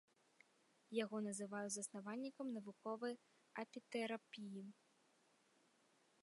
Яго называюць заснавальнікам навуковай апітэрапіі.